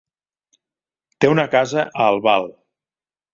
Té una casa a Albal.